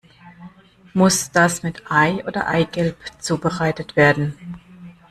Muss das mit Ei oder Eigelb zubereitet werden?